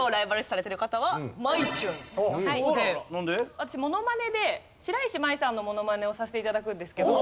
私モノマネで白石麻衣さんのモノマネをさせて頂くんですけど。